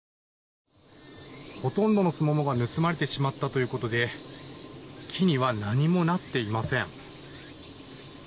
ほとんどのスモモが盗まれてしまったということで木には何もなっていません。